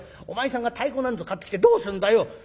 お前さんが太鼓なんぞ買ってきてどうすんだよ」。